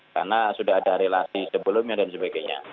karena sudah ada relasi sebelumnya dan sebagainya